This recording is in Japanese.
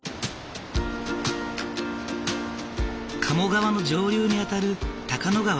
鴨川の上流にあたる高野川。